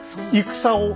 戦を？